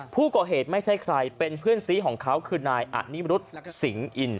ผู้ก่อเหตุไม่ใช่ใครเป็นเพื่อนซีของเขาคือนายอนิมรุษสิงห์อิน